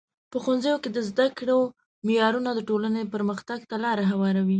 په ښوونځیو کې د زده کړو معیارونه د ټولنې پرمختګ ته لار هواروي.